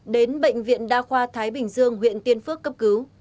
đến bệnh viện đa khoa thái bình dương huyện tiên phước cấp cứu